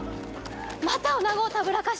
またおなごをたぶらかして！